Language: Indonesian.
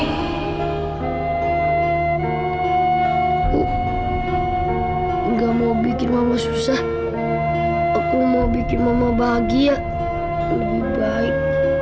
tidak mau bikin mama susah aku mau bikin mama bahagia lebih baik